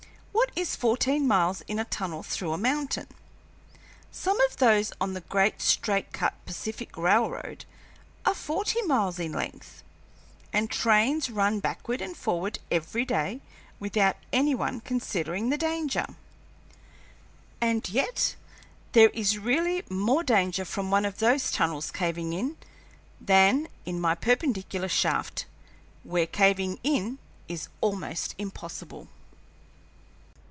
What is fourteen miles in a tunnel through a mountain? Some of those on the Great Straightcut Pacific Railroad are forty miles in length, and trains run backward and forward every day without any one considering the danger; and yet there is really more danger from one of those tunnels caving in than in my perpendicular shaft, where caving in is almost impossible.